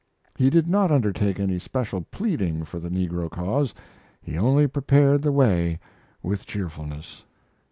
He did not undertake any special pleading for the negro cause; he only prepared the way with cheerfulness.